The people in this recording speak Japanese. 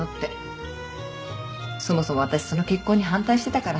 そもそも私その結婚に反対してたから。